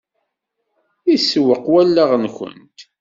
Isewweq wallaɣ-nkent.